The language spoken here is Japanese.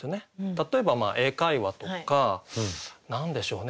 例えば英会話とか何でしょうね